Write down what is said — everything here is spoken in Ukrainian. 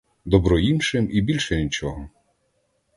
Добро іншим, і більше нічого.